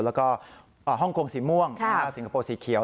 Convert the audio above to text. แล้วก็ฮ่องกงสีม่วงสิงคโปร์สีเขียว